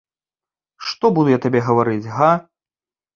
Што буду я табе гаварыць, га?